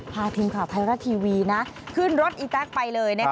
พาทีมข่าวไทยรัฐทีวีขึ้นรถอีแต๊กไปเลย